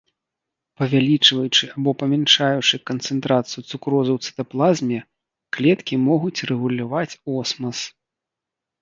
Павялічваючы або памяншаючы канцэнтрацыю цукрозы ў цытаплазме, клеткі могуць рэгуляваць осмас.